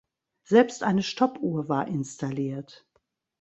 Selbst eine Stoppuhr war installiert.